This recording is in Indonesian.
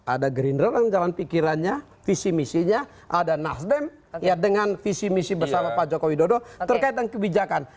ada gerindra yang jalan pikirannya visi misinya ada nasdem dengan visi misi bersama pak jokowi dodo terkait dengan kebijakan